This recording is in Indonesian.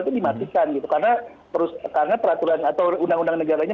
itu dimatikan gitu karena peraturan atau undang undang negaranya